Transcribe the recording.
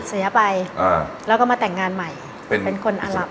เสียไปอ่าแล้วก็มาแต่งงานใหม่เป็นคนอลับ